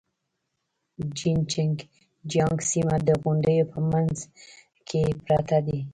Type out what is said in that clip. جين چنګ جيانګ سيمه د غونډيو په منځ کې پرته ده.